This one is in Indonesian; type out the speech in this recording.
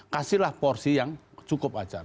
kasihlah porsi yang cukup ajar